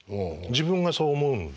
自分がそう思うので。